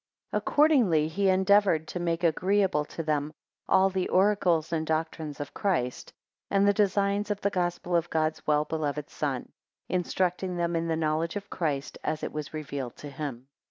3 Accordingly he endeavoured to make agreeable to them all the oracles and doctrines of Christ, and the design of the Gospel of God's well beloved son; instructing them in the knowledge of Christ, as it was revealed to him.